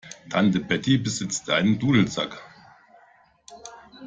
Tante Betty besitzt einen Dudelsack.